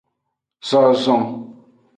Zozon.